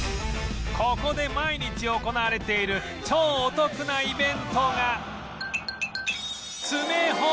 ここで毎日行われている超お得なイベントが